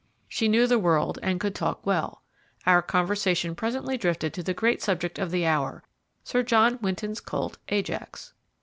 She knew the world and could talk well. Our conversation presently drifted to the great subject of the hour, Sir John Winton's colt, Ajax.